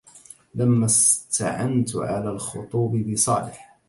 لما استعنت على الخطوب بصالح